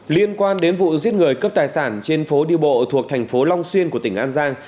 liên quan đến vụ giết người cướp tài sản trên phố đi bộ thuộc thành phố long xuyên của tỉnh an giang